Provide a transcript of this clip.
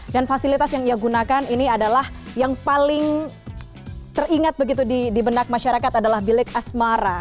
dan fasilitas yang ia gunakan ini adalah yang paling teringat begitu di benak masyarakat adalah bilik asmara